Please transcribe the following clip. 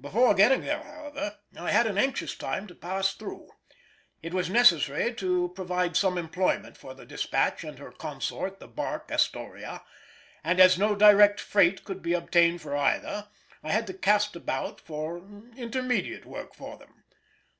Before getting there, however, I had an anxious time to pass through; it was necessary to provide some employment for the Despatch and her consort the barque Astoria, and as no direct freight could be obtained for either I had to cast about for intermediate work for them.